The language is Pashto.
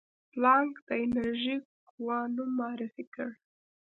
پلانک د انرژي کوانوم معرفي کړ.